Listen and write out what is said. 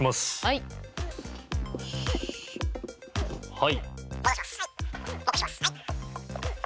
はい。